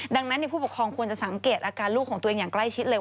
ดังนั้นผู้ปกครองควรจะสังเกตอาการลูกของตัวเองอย่างใกล้ชิดเลย